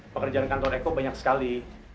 pak kerjaan kantor eko banyak sekali